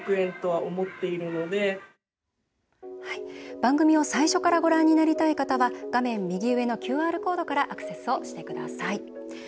番組を最初からご覧になりたい方は画面右上のＱＲコードからアクセスをしてください。